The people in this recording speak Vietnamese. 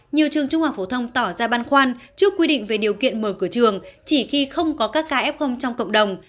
nhiều trường trung học phổ thông tỏ ra băn khoan trước quy định về điều kiện mở cửa trường chỉ khi không có các kf trong cộng đồng